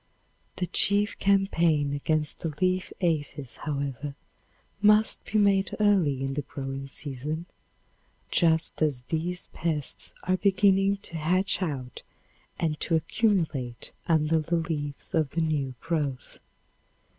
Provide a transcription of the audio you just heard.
The chief campaign against the leaf aphis, however, must be made early in the growing season, just as these pests are beginning to hatch out and to accumulate under the leaves of the new growth.